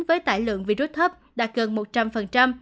với tải lượng virus thấp đạt gần một trăm linh